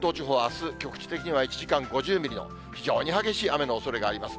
関東地方はあす、局地的には１時間に５０ミリの非常に激しい雨のおそれがあります。